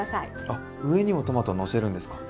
あ上にもトマトをのせるんですか？